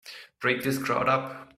Break this crowd up!